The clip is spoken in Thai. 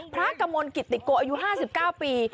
พระกะโมนกิตติโกอายุห้าสิบเก้าปี